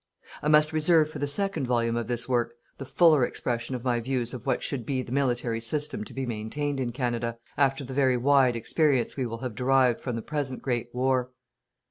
I must reserve for the second volume of this work, the fuller expression of my views of what should be the military system to be maintained in Canada, after the very wide experience we will have derived from the present great war.